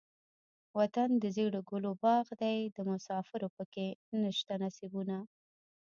وطن دزيړو ګلو باغ دے دمسافرو پکښې نيشته نصيبونه